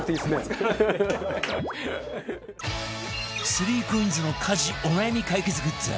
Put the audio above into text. ３ＣＯＩＮＳ の家事お悩み解決グッズ